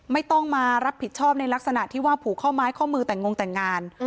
ไม่ต้องมารับผิดชอบในลักษณะที่ว่าผูกข้อไม้ข้อมือแต่งงแต่งงาน